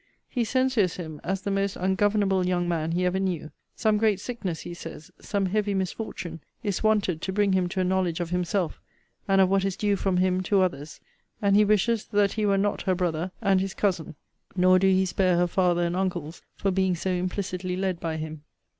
He censures him, as the most ungovernable young man he ever knew: some great sickness, he says, some heavy misfortune, is wanted to bring him to a knowledge of himself, and of what is due from him to others; and he wishes that he were not her brother, and his cousin. Nor doe he spare her father and uncles for being so implicitly led by him.'